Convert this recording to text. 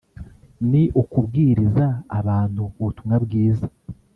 ni ukubwiriza abantu ubutumwa bwiza